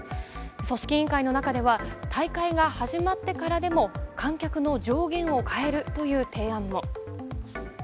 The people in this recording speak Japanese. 組織委員会の中では大会が始まってからでも観客の上限を変えるという提案も。